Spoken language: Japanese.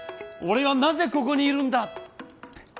「オレはなぜここにいるんだ！」